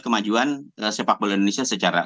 kemajuan sepak bola indonesia secara